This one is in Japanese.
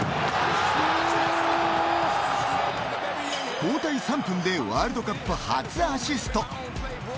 交代３分でワールドカップ初アシスト。